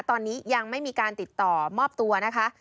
ตอนนี้ยังไม่มีการติดต่อมอบตัวนะคะ